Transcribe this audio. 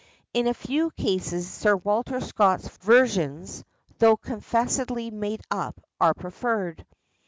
In a few cases Sir Walter Scott's versions, though confessedly "made up," are preferred.